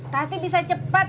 tati bisa cepat